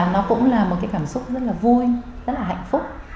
nó cũng là một cái cảm xúc rất là vui rất là hạnh phúc